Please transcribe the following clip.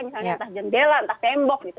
misalnya atas jendela atas tembok gitu